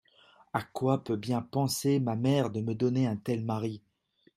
A quoi peut bien penser ma mère De me donner un tel mari !